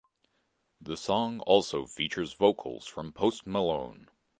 The song also features vocals from Post Malone.